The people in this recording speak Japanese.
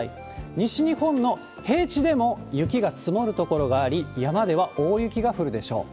西日本の平地でも雪が積もる所があり、山では大雪が降るでしょう。